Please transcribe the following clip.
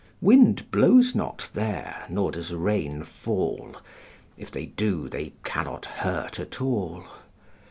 Wind blows not there, nor does rain fall: If they do, they cannot hurt at all.